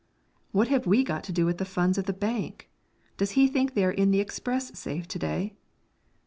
"What have we got to do with the funds of the bank? Does he think they are in the express safe to day?"